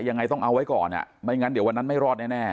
ยังไงต้องเอาไว้ก่อนอ่ะไม่งั้นเดี๋ยววันนั้นไม่รอดแน่